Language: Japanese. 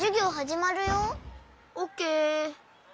オッケー。